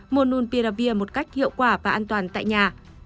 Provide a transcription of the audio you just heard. mononpiravir một cách hiệu quả và an toàn tại nhà